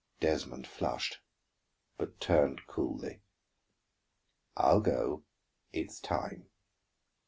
Desmond flushed, but turned coolly. "I'll go, it's time.